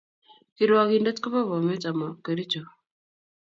Kirwakindet ko ba Bomet amo Kericoho